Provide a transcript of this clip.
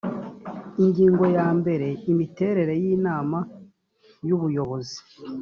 ingingo ya mbere imiterere y inama y ubuyobozi